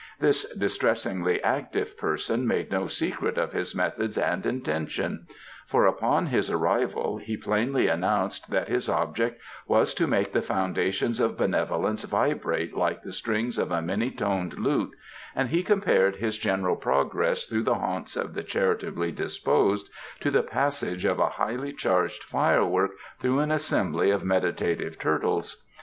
This distressingly active person made no secret of his methods and intention; for, upon his arrival, he plainly announced that his object was to make the foundations of benevolence vibrate like the strings of a many toned lute, and he compared his general progress through the haunts of the charitably disposed to the passage of a highly charged firework through an assembly of meditative turtles.